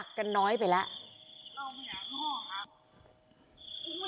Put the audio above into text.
กันน้อยไปแล้ว